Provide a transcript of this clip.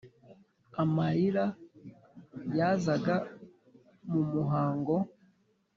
amarira yazaga mu muhogo